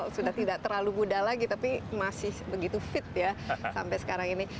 sudah tidak terlalu muda lagi tapi masih begitu fit ya sampai sekarang ini